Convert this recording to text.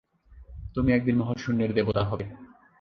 তুমি একদিন মহাশূন্যের দেবতা হবে!